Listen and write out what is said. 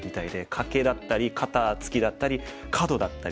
カケだったり肩ツキだったりカドだったり。